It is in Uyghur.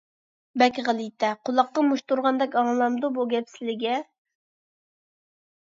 بەك غەلىتە، قۇلاققا مۇشت ئۇرغاندەك ئاڭلىنامدۇ بۇ گەپ سىلىگە؟!